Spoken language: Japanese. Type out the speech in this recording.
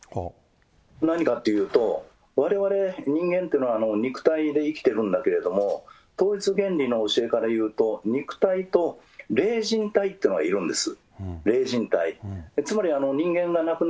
何かっていうと、われわれ人間というのは肉体で生きてるんだけれども、統一原理の教えから言うと、肉体とれいじん体というのいるんです。